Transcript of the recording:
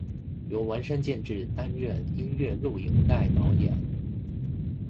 由丸山健志担任音乐录影带导演。